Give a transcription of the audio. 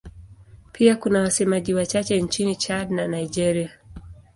Pia kuna wasemaji wachache nchini Chad na Nigeria.